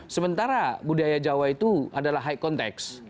sementara budaya jawa itu adalah high context